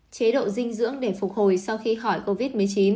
chế độ dinh dưỡng để phục hồi sau khi khỏi covid một mươi chín